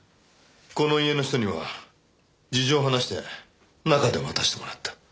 この家の人には事情を話して中で待たせてもらった。